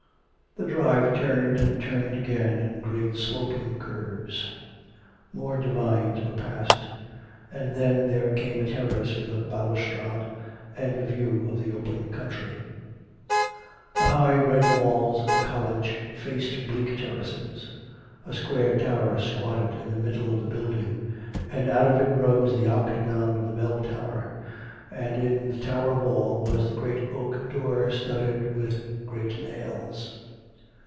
The drive turned and turned again in great sloping curves; more divines were passed, and then there came a terrace with a balustrade and a view of the open country. The high red walls of the college faced bleak terraces: a square tower squatted in the middle of the building, and out of it rose the octagon of the bell tower, and in the tower wall was the great oak door studded with great nails.